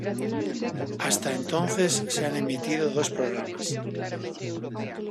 Hasta entonces se han emitido dos programas.